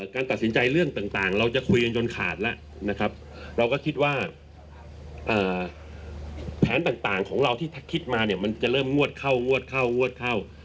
การตัดสินใจเรื่องต่างเราจะคุยกันจนขาดแล้วนะครับเราก็คิดว่าแผนต่างของเราที่ถ้าคิดมาเนี่ยมันจะเริ่มงวดเข้างวดเข้างวดเข้า